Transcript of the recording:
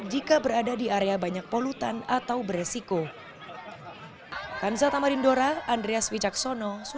jika berada di area banyak polutan atau beresiko